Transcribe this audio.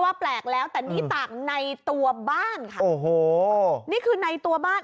แปลกแล้วแต่นี่ตากในตัวบ้านค่ะโอ้โหนี่คือในตัวบ้าน